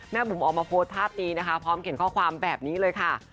บุ๋มออกมาโพสต์ภาพนี้นะคะพร้อมเขียนข้อความแบบนี้เลยค่ะ